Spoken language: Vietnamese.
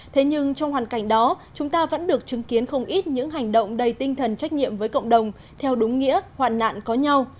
thế nhưng trong hoàn cảnh đó chúng ta vẫn được chứng kiến không ít những hành động đầy tinh thần trách nhiệm với cộng đồng theo đúng nghĩa hoạn nạn có nhau